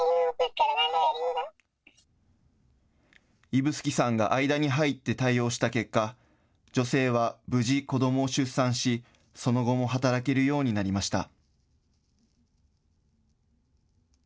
指宿さんが間に入って対応した結果、女性は無事、子どもを出産し、その後も働けるようになりました。